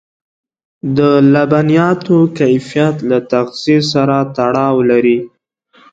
د لبنیاتو کیفیت له تغذيې سره تړاو لري.